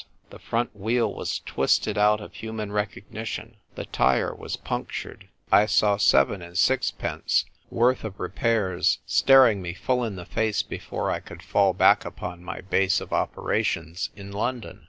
The front wheel was twisted out of human recognition; the tyre was punctured; I saw seven and sixpence worth of repairs staring me full in the face before I could fall back upon my base of operations in London.